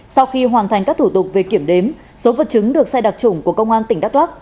sau khi hoàn thành các thủ tục về kiểm đếm số vật chứng được xe đặc trủng của công an tỉnh đắk lắc